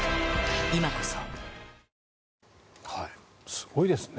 すごいですね。